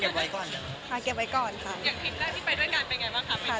อย่างทิ้งทำที่ไปด้วยกันเป็นยังไงบ้างคะ